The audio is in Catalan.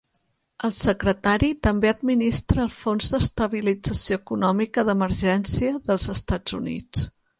El secretari també administra el Fons d'Estabilització Econòmica d'Emergència dels Estats Units.